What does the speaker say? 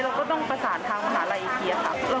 เราก็ต้องรอผลตรวจอีกทีค่ะ